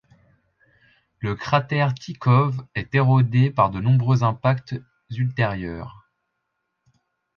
Le cratère Tikhov est érodé par de nombreux impacts ultérieurs.